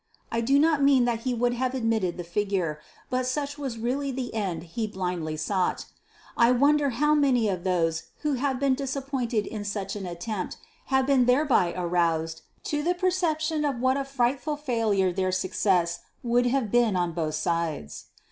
I do not mean that he would have admitted the figure, but such was really the end he blindly sought. I wonder how many of those who have been disappointed in such an attempt have been thereby aroused to the perception of what a frightful failure their success would have been on both sides.